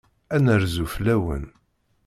Ad d-nerzu fell-awen.